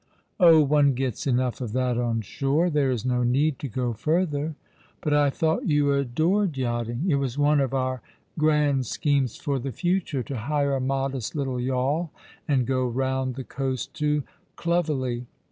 " Oh, one gets enough of that on shore, there is no need to go further." " But I thought you adored yachting ? It was one of our grand schemes for the future, to hire a modest little yawl and go round the coast to Clovelly.